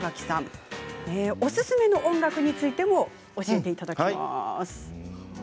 そおすすめの音楽についても教えてもらいます。